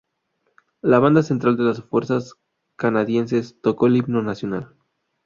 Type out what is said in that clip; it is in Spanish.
La banda central de las fuerzas canadienses tocó el himno nacional.